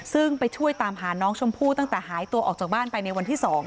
ซึ่งไปช่วยตามหาน้องชมพู่ตั้งแต่หายตัวออกจากบ้านไปในวันที่๒